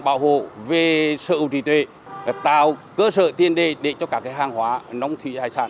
chúng tôi đang bảo hộ về sự ưu trì tuệ tạo cơ sở tiên đề để cho các hàng hóa nông thủy hải sản